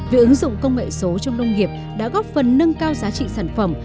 việc ứng dụng công nghệ số trong nông nghiệp đã góp phần nâng cao giá trị sản phẩm